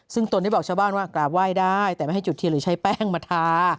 ซึ่งตนได้บอกชาวบ้านว่ากราบไหว้ได้แต่ไม่ให้จุดเทียนหรือใช้แป้งมาทา